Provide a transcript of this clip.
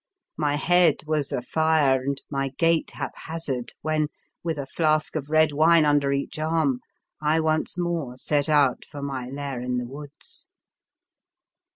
My head was afire and my gait hap hazard when, with a flask of red wine under each arm, I once more set out for my lair in the woods.